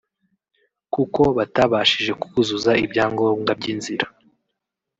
kuko batabashije kuzuza ibyangombwa by’inzira